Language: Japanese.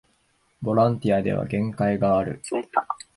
ボランティアでは限界がある